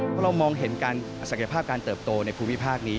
พอเรามองเห็นภาพการเติบโตในภูมิภาคนี้